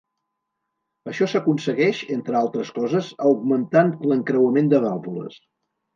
Això s'aconsegueix, entre altres coses, augmentant l'encreuament de vàlvules.